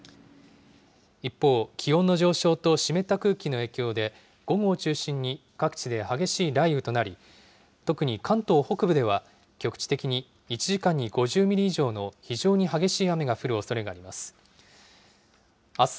一方、気温の上昇と湿った空気の影響で、午後を中心に各地で激しい雷雨となり、特に関東北部では、局地的に１時間に５０ミリ以上の非常に激しい雨が降るおそれがあります。